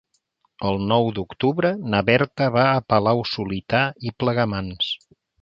El nou d'octubre na Berta va a Palau-solità i Plegamans.